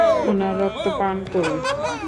উনার রক্ত পান করুন!